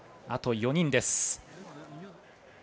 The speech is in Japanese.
あと４人です。